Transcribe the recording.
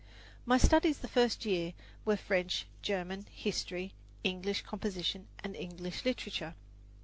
My studies the first year were French, German, history, English composition and English literature.